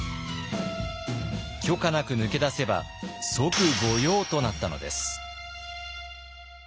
許可なく抜け出せば即御用となったのです。